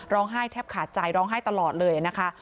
ร้องไห้แทบขาดใจร้องไห้ตลอดเลยนะคะ